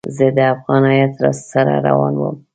زه د افغان هیات سره روان وم.